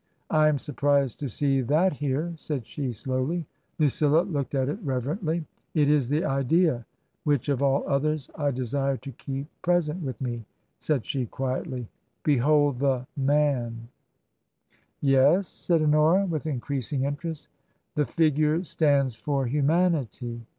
" I am surprised to see that here/' said she, slowly. Lucilla looked at it reverently. " It is the idea which of all others I desire to keep present with me," said she, quietly :"* Behold the Man^ "" Yes ?" said Honora, with increasing interest '' The figure stands for Humanity.